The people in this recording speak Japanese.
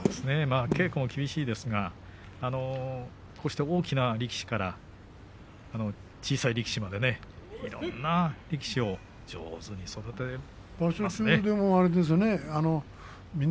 稽古も厳しいですが大きな力士から小さい力士までいろんな力士を上手に育て上げますね。